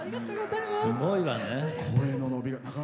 すごいわね。